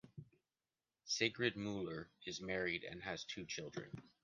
Sigrid Müller is married, and has two children.